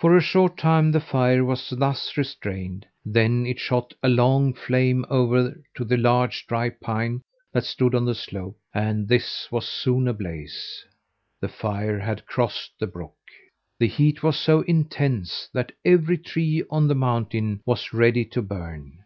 For a short time the fire was thus restrained, then it shot a long flame over to the large, dry pine that stood on the slope, and this was soon ablaze. The fire had crossed the brook! The heat was so intense that every tree on the mountain was ready to burn.